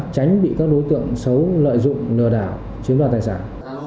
tránh bị các đối tượng xấu lợi dụng lừa đảo chiếm đoạt tài sản